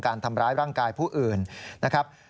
การทำร้ายร่างกายผู้อื่นนะครับ